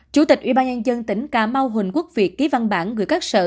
chủ tịch ủy ban nhân dân tỉnh cà mau huỳnh quốc việt ký văn bản gửi các sở